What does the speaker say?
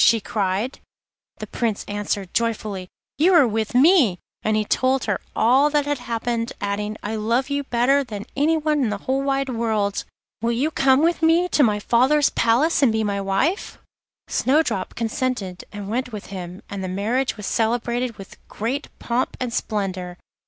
she cried. The Prince answered joyfully, 'You are with me,' and he told her all that had happened, adding, 'I love you better than anyone in the whole wide world. Will you come with me to my father's palace and be my wife?' Snowdrop consented, and went with him, and the marriage was celebrated with great pomp and splendour.